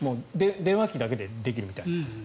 電話機だけでできるみたいです。